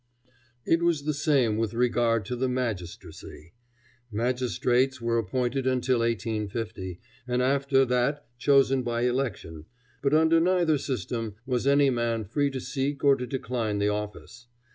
It was the same with regard to the magistracy. Magistrates were appointed until 1850, and after that chosen by election, but under neither system was any man free to seek or to decline the office.